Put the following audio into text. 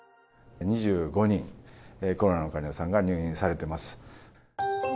２５人、コロナの患者さんが入院されてます。